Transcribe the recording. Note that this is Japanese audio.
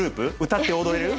歌って踊れる？